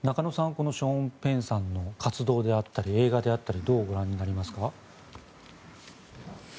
このショーン・ペンさんの活動であったり映画であったりどうご覧になりますか？